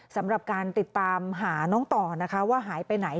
สำหรับการติดตามหาน้องต่อนะคะว่าหายไปไหน